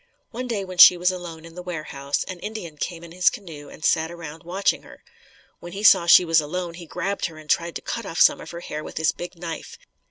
One day when she was alone in the warehouse, an Indian came in his canoe and sat around watching her. When he saw she was alone, he grabbed her and tried to cut off some of her hair with his big knife.